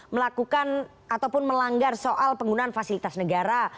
melakukan ataupun melanggar soal penggunaan fasilitas negara